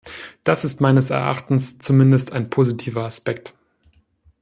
Das ist meines Erachtens zumindest ein positiver Aspekt.